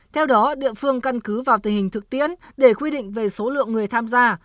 theo đó địa phương căn cứ vào tình hình thực tiễn để quy định về số lượng người tham gia